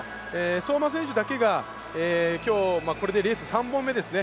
相馬選手だけが今日、レース３本目ですね。